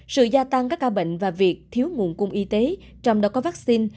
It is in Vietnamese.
sự gia tăng các ca bệnh và việc thiếu nguồn cung y tế trong đó có vaccine